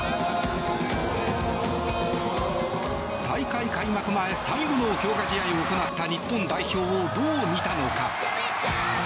大会開幕前、最後の強化試合を行った日本代表をどう見たのか。